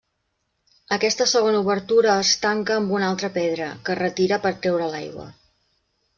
Aquesta segona obertura es tanca amb una altra pedra, que es retira per treure l'aigua.